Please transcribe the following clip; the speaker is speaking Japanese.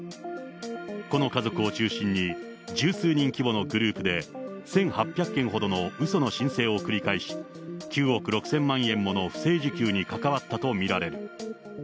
この家族を中心に、十数人規模のグループで、１８００件ほどのうその申請を繰り返し、９億６０００万円もの不正受給に関わったと見られる。